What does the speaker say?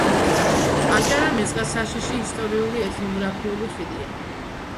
აჭარა მეწყერსაშიში ისტორიულ ეთნოგრაფიული ხიდია